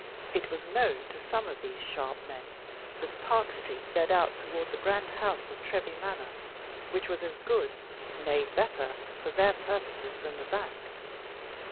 It was known to some of these sharp men that Park Street led out toward the grand house of Treby Manor, which was as good nay, better, for their purpose than the bank.